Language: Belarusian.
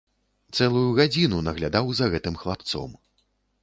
Цэлую гадзіну наглядаў за гэтым хлапцом.